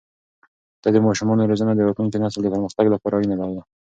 ده د ماشومانو روزنه د راتلونکي نسل د پرمختګ لپاره اړينه بلله.